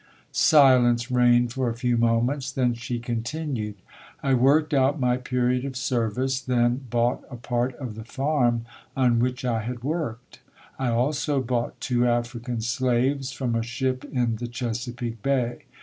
Silence reigned for a few moments, then she continued, "I worked out my period of service, then bought a part of the farm on which I had worked. I also bought two African slaves from a ship in the Chesapeake Bay.